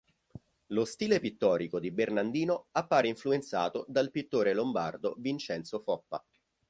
Lo stile pittorico di Bernardino appare influenzato dal pittore lombardo Vincenzo Foppa.